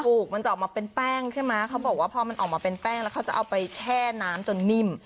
มันจะออกมาเป็นแป้งใช่ไหมเขาบอกว่าพอมันออกมาเป็นแป้งแล้วเขาจะเอาไปแช่น้ำจนนิ่ม